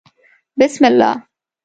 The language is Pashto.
_بسم الله.